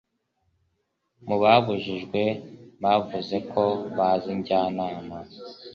mu babajijwe bavuze ko bazi njyanama